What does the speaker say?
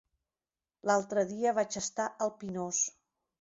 L'altre dia vaig estar al Pinós.